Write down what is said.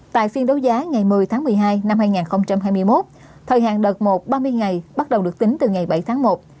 tại phiên đấu giá ngày một mươi tháng một mươi hai năm hai nghìn hai mươi một thời hạn đợt một ba mươi ngày bắt đầu được tính từ ngày bảy tháng một